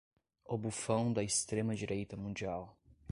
O bufão da extrema direita mundial